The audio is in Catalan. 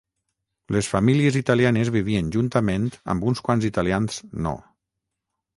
Les famílies italianes vivien juntament amb uns quants italians no.